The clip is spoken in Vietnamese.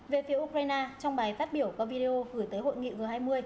về phía ukraine trong bài phát biểu có video gửi tới hội nghị g hai mươi